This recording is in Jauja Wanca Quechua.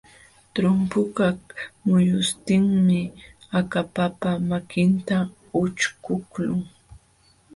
Trumpukaq muyuśhtinmi akapapa makinta ućhkuqlun.